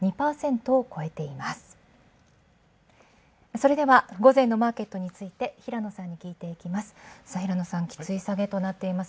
それでは午前のマーケットについて平野さんに聞いていきます。